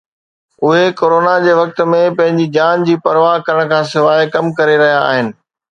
اهي ڪرونا جي وقت ۾ پنهنجي جان جي پرواهه ڪرڻ کان سواءِ ڪم ڪري رهيا آهن.